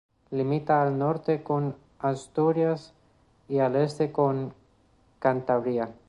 Limita al norte con Asturias y al este con Cantabria.